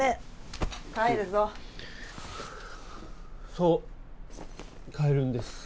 そう帰るんです。